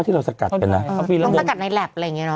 ที่เราสกัดไหนนะเออต้องกระกัดในแหลปอะไรอย่างเงี้ย